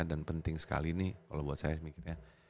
dan penting sekali nih kalau buat saya